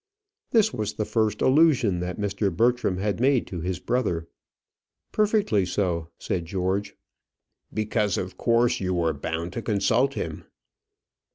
This was the first allusion that Mr. Bertram had made to his brother. "Perfectly so," said George. "Because of course you were bound to consult him."